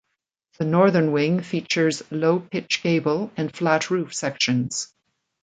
The northern wing features low pitch gable and flat roof sections.